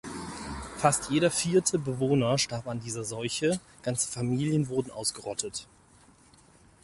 Fast jeder vierte Bewohner starb an dieser Seuche, ganze Familien wurden ausgerottet.